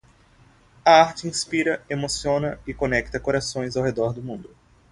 A arte inspira, emociona e conecta corações ao redor do mundo.